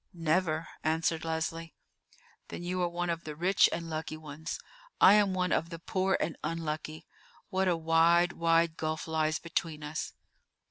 "Never," answered Leslie. "Then you are one of the rich and lucky ones: I am one of the poor and unlucky. What a wide, wide gulf lies between us!"